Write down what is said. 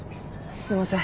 すいません。